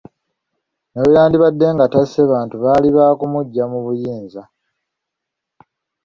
Ne bweyandibadde nga tasse bantu baali baakumuggya mu buyinza.